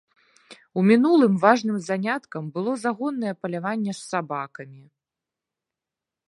У мінулым важным заняткам было загоннае паляванне з сабакамі.